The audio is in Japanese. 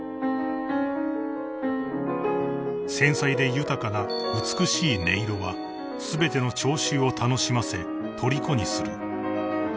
［繊細で豊かな美しい音色は全ての聴衆を楽しませとりこにする］